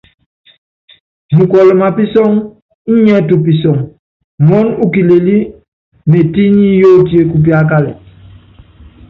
Mukɔl mapísɔ́ŋ íniɛ tupisɔŋ, muɔ́n u kilelí metinyí yóotie kupíákalet.